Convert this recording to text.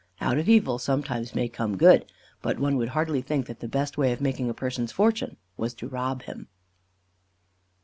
Out of evil sometimes may come good; but one would hardly think that the best way of making a person's fortune was to rob him.